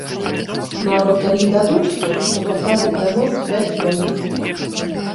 Нават калі і дадуць што, то пасадзяць да нас пяць сваіх.